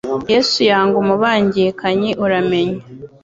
yesu yanga umubangikanya uramenye